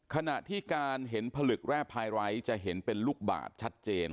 ขณะที่การเห็นผลึกแร่พายไร้จะเห็นเป็นลูกบาทชัดเจน